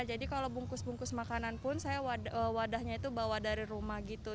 jadi kalau bungkus bungkus makanan pun saya wadahnya itu bawa dari rumah gitu